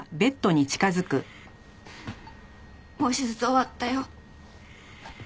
もう手術終わったよ。